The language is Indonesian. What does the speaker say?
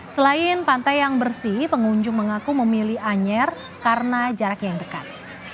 selain pantai yang bersih pengunjung mengaku memilih anyer karena jaraknya yang dekat